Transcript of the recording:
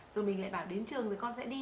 rồi mình lại bảo đến trường thì con sẽ đi